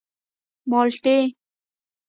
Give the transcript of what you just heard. _مالټې.